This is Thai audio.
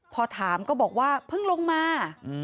พอถามก็บอกว่าเพิ่งลงมา